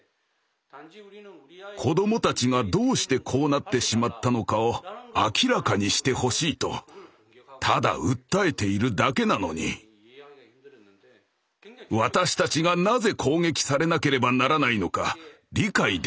子どもたちがどうしてこうなってしまったのかを明らかにしてほしいとただ訴えているだけなのに私たちがなぜ攻撃されなければならないのか理解できませんでした。